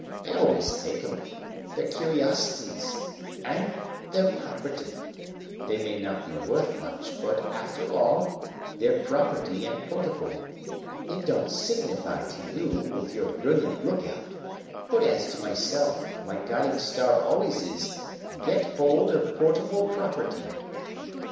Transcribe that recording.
I always take 'em. They're curiosities. And they're property. They may not be worth much, but, after all, they're property and portable. It don't signify to you with your brilliant lookout, but as to myself, my guiding star always is, 'Get hold of portable property'."